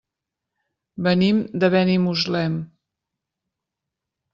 Venim de Benimuslem.